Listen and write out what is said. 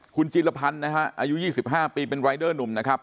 คุณจิรพันธ์นะฮะอายุ๒๕ปีเป็นรายเดอร์หนุ่มนะครับ